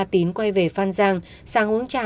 tín quay về phan giang sáng uống trà